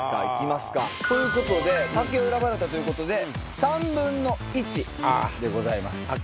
いきますか。ということで竹を選ばれたということで３分の１でございます。